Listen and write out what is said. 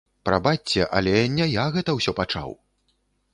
Прабачце, але не я гэта ўсё пачаў!